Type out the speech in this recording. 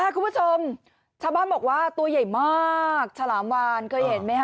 คุณผู้ชมชาวบ้านบอกว่าตัวใหญ่มากฉลามวานเคยเห็นไหมฮ